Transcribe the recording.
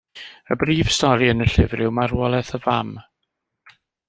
Y brif stori yn y llyfr yw marwolaeth y fam.